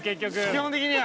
◆基本的には。